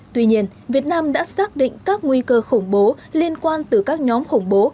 tuy nhiên việt nam đã xác định các nguy cơ khủng bố liên quan từ các nhóm khủng bố